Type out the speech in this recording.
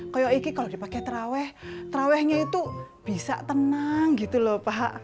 kayak ini kalau dipakai terawih terawihnya itu bisa tenang gitu lho pak